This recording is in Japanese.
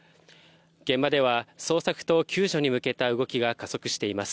現場では捜索と救助に向けた動きが加速しています。